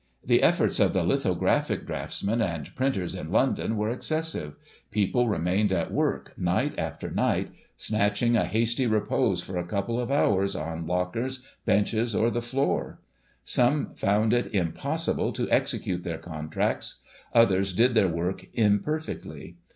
The efforts of the litho graphic draughtsmen and printers in London were excessive ; people remained at work, night after night, snatching a hasty repose for a couple of hours, on lockers, benches, or the floor. Digitized by Google 282 GOSSIP. [184s Some found it impossible to execute their contracts ; others did their work imperfectly.